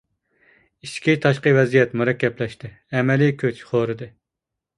ئىچكى تاشقى ۋەزىيەت مۇرەككەپلەشتى، ئەمەلىي كۈچ خورىدى.